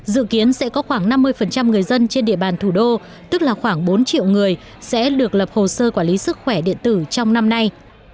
dự kiến sẽ có khoảng năm mươi người dân trên địa bàn thủ đô tức là khoảng bốn triệu người sẽ được lập hồ sơ quản lý sức khỏe điện tử trong năm nay